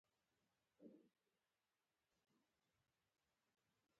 احمد اوس ځوان دی؛ نيوکه ورته کړئ.